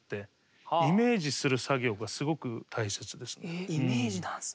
結局イメージなんですね。